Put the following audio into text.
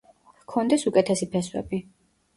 ჰქონდეს უკეთესი ფესვები.